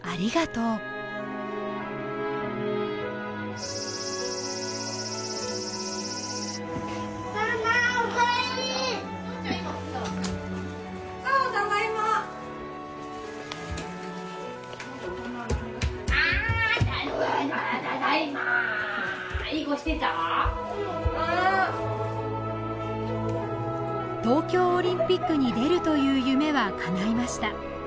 うんうん東京オリンピックに出るという夢は叶いました